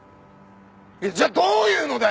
じゃあどういうのだよ！